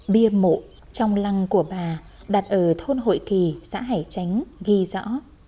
bia mộ trong lăng của bà đặt ở thôn hội kỳ xã hải chánh ghi rõ